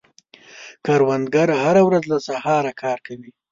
کروندګر هره ورځ له سهاره کار کوي